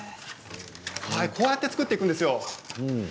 こうやって作っていくんですよ。